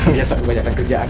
biasa kebanyakan kerjaan